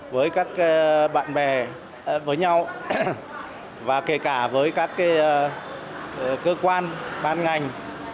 với các bạn bè với nhau và kể cả với các cơ quan ban ngành